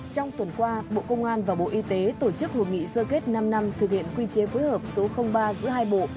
trong tuần qua bộ công an và bộ y tế tổ chức hội nghị sơ kết năm năm thực hiện quy chế phối hợp số ba giữa hai bộ